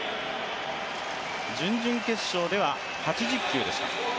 準々決勝では８０球でした。